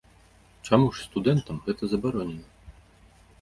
Чаму ж студэнтам гэта забаронена?